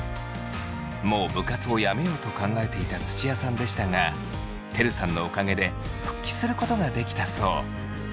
もう部活をやめようと考えていた土屋さんでしたがてるさんのおかげで復帰することができたそう。